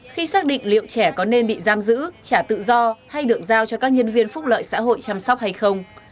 khi xác định liệu trẻ có nên bị giam giữ trả tự do hay được giao cho các nhân viên phúc lợi xã hội chăm sóc hay không